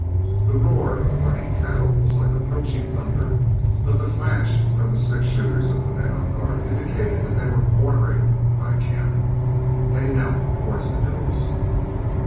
The roar of the running cattle was like approaching thunder, but the flash from the six shooters of the men on guard indicated they were quartering by camp, heading out towards the hills.